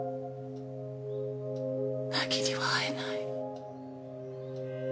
凪には会えない。